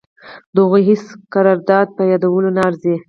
د هغوی هیڅ کردار په یادولو نه ارزي.